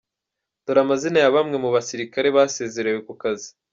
Dore amazina ya bamwe mu basirikare basezerewe ku kazi.